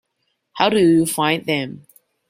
How do you find them?